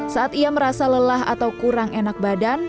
saat ia merasa lelah atau kurang enak badan